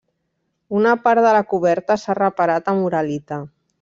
Una part de la coberta s'ha reparat amb uralita.